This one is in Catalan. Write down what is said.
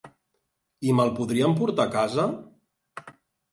I me'l podrien portar a casa?